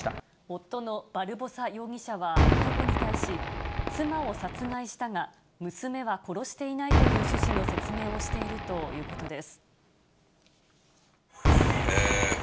夫のバルボサ容疑者はいとこに対し、妻を殺害したが、娘は殺していないという趣旨の説明をしているということです。